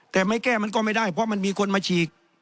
แต่ไม่แก้มันก็ไม่ได้เพราะมันมีคนมาฉีก